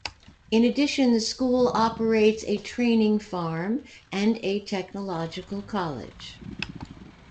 In addition, the school operates a training farm and a technological college.